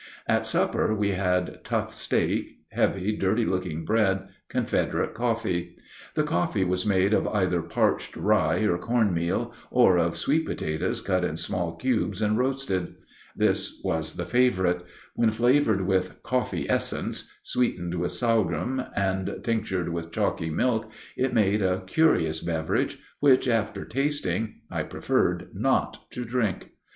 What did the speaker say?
At supper we had tough steak, heavy, dirty looking bread, Confederate coffee. The coffee was made of either parched rye or corn meal, or of sweet potatoes cut in small cubes and roasted. This was the favorite. When flavored with "coffee essence," sweetened with sorghum, and tinctured with chalky milk, it made a curious beverage which, after tasting, I preferred not to drink.